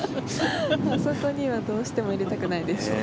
あそこにはどうしても落ちたくないです。